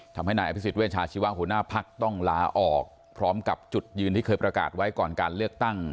ทำให้นายอภิษฎเวชาชีวะหัวหน้าพักต้องลาออกพร้อมกับจุดยืนที่เคยประกาศไว้ก่อนการเลือกตั้ง